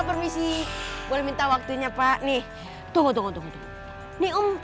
delapan oh permisi pak paramisi w attitude x nih tunggu tunggu nih om